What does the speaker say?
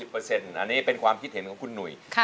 ๙๐เปอร์เซ็นต์อันนี้เป็นความคิดเห็นของคุณหนุ่ย